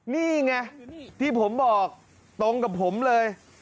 นี่ไงที่ผมบอกตรงกับผมเลย